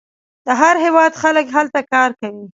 د هر هیواد خلک هلته کار کوي.